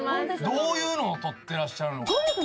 どういうのを撮ってらっしゃるのか。